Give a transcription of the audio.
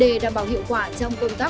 để đảm bảo hiệu quả trong công tác